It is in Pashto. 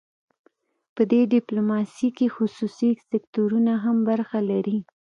په دې ډیپلوماسي کې خصوصي سکتورونه هم برخه لري